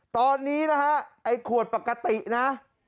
ตอนนี้นะฮะไอ้ขวดปกตินะ